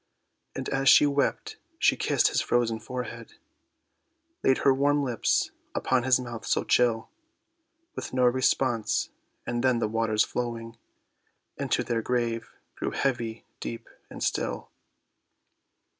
And as she wept she kissed his frozen forehead, Laid her warm lips upon his mouth so chill, With no response—and then the waters flowing Into their grave, grew heavy, deep and still.